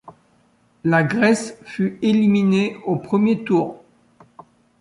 La Grèce fut éliminée au premier tour.